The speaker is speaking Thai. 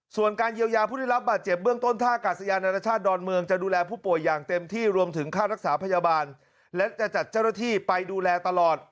ส่วนการเยียวยาผู้ได้รับบาดเจ็บเบื้องต้นท่ากัดสยานนาชาสดอนเมืองจะดูแลผู้ป่วยอย่างเต็มที่รวมถึงข้ารักษาพยาบาล